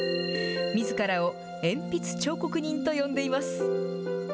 みずからを鉛筆彫刻人と呼んでいます。